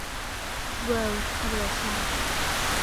เวิลด์ คอร์ปอเรชั่น